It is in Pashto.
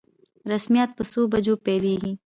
رسميات په څو بجو پیلیږي؟